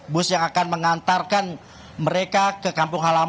bus yang akan mengantarkan mereka